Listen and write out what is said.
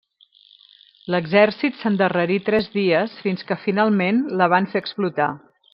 L'exèrcit s'endarrerí tres dies fins que finalment la van fer explotar.